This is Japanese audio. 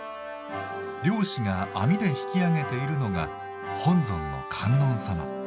漁師が網で引き上げているのが本尊の観音様。